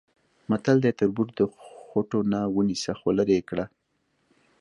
متل دی: تربور د خوټونه ونیسه خولرې یې کړه.